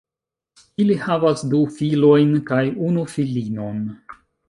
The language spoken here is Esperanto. Ili havas du filojn kaj unu filinon.